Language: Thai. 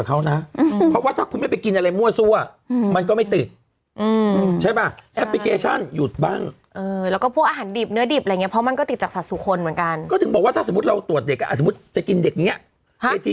คนเหมือนกันก็ถึงบอกว่าถ้าสมมุติเราตรวจเด็กอ่ะสมมุติไม่